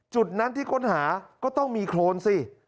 จุดนั้นที่ค้นหาก็ต้องมีโครนสิ